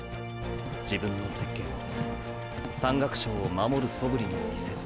自分のゼッケンを――山岳賞を守るそぶりも見せずに。